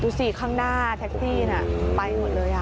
สิข้างหน้าแท็กซี่ไปหมดเลย